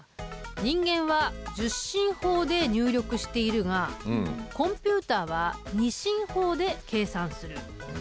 人間は１０進法で入力しているがコンピュータは２進法で計算する。